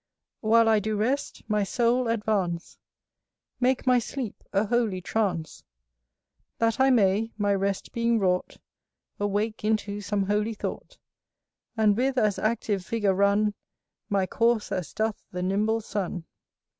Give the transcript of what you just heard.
While I do rest, my soul advance: Make my sleep a holy trance: That I may, my rest being wrought, Awake into some holy thought, And with as active vigour run My course as doth the nimble sun.